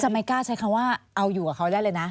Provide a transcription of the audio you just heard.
ไม่กล้าใช้คำว่าเอาอยู่กับเขาได้เลยนะ